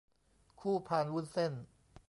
คู่พานวุ้นเส้น